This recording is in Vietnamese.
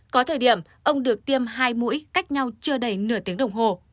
có thời điểm ông được tiêm hai mũi cách nhau chưa đầy nửa tiếng đồng hồ